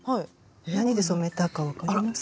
何で染めたか分かりますか？